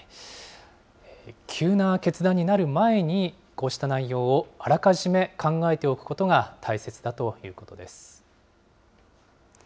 急な決断になる前に、こうした内容をあらかじめ考えておくことが大切だということです。